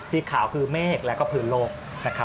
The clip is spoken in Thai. สีขาวคือเมฆแล้วก็พื้นโลกนะครับ